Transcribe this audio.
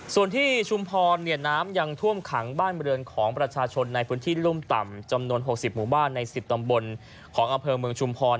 ส่วนที่ชุมพรน้ำยังท่วมขังบ้านบริเวณของประชาชนในพื้นที่รุ่มต่ำจำนวน๖๐หมู่บ้านใน๑๐ตำบลของอำเภอเมืองชุมพร